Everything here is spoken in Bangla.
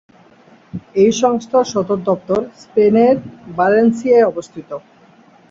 এই সংস্থার সদর দপ্তর স্পেনের বালেনসিয়ায় অবস্থিত।